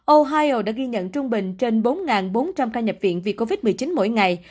ohio đã ghi nhận trung bình trên bốn bốn trăm linh ca nhập viện vì covid một mươi chín mỗi ngày